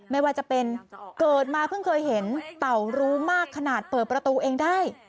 ไม่ว่าจะเป็นเกิดมาเพิ่งเคยเห็นเต่ารู้มากขนาดเปิดประตูเองได้